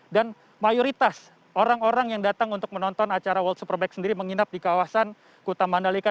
dan mayoritas orang orang yang datang untuk menonton acara world superbike sendiri menginap di kawasan kutam mandalika